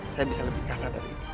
saya bisa lebih kasar dari itu